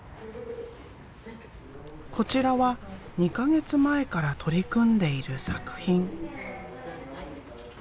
こちらは２か月前から取り組んでいる作品。